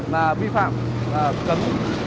mà vi phạm cấm